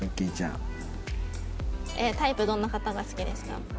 タイプどんな方が好きですか？